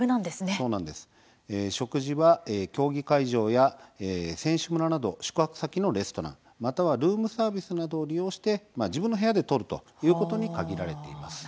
食事は競技会場や選手村など宿泊先のレストランまたはルームサービスなどを利用して自分の部屋でとることに限られています。